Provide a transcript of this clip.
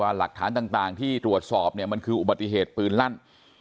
หลักฐานต่างที่ตรวจสอบเนี่ยมันคืออุบัติเหตุปืนลั่น